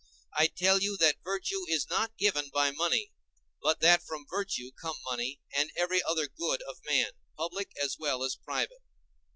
I tell you that virtue is not given by money, but that from virtue come money and every other good of man, public as well as private.